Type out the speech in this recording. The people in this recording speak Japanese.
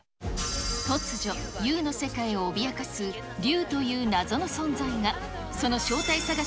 突如、Ｕの世界を脅かす竜という謎の存在が。